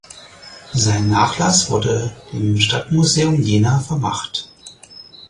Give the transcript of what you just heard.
Sein Nachlass wurde dem Stadtmuseum Jena vermacht.